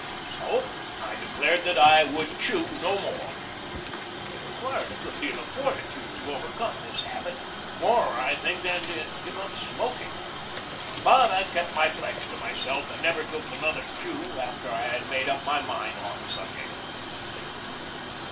So I declared that I would chew no more. It required a good deal of fortitude to overcome this habit, more, I think, than to give up smoking. But I kept my pledge to myself, and never took another chew after I had made up my mind on the subject.